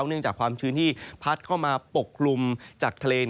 เนื่องจากความชื้นที่พัดเข้ามาปกคลุมจากทะเล